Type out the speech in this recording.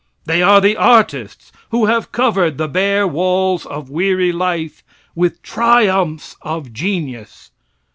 They are the artists who have covered the bare walls of weary life with the triumphs of genius.